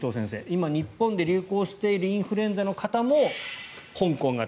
今、日本で流行しているインフルエンザの型も香港型。